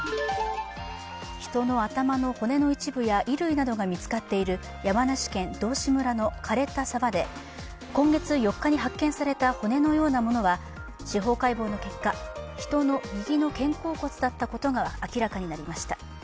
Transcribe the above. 人の頭の骨の一部や衣類などが見つかっている山梨県道志村の枯れた沢で今月４日に発見された骨のようなものは司法解剖の結果、人の右の肩甲骨だったことが明らかになりました。